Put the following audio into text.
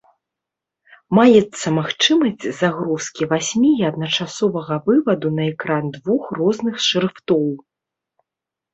Маецца магчымасць загрузкі васьмі і адначасовага вываду на экран двух розных шрыфтоў.